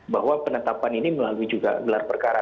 bahwa penetapan ini melalui juga gelar perkara